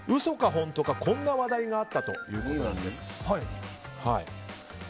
本当かこんな話題があったということなんです。